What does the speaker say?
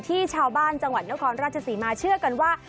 ที่ชาวบ้านจังหวัดนครราชศรีมาเชื่อกันว่า